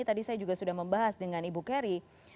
tadi saya juga sudah membahas dengan ibu keri